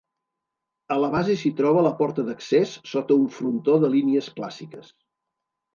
A la base s'hi troba la porta d'accés sota un frontó de línies clàssiques.